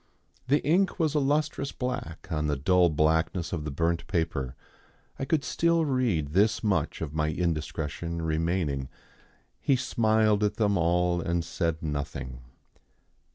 The ink was a lustrous black on the dull blackness of the burnt paper. I could still read this much of my indiscretion remaining, "He smiled at them all and said nothing."